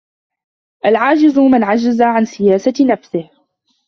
الْعَاجِزُ مَنْ عَجَزَ عَنْ سِيَاسَةِ نَفْسِهِ